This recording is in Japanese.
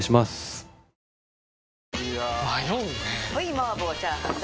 麻婆チャーハン大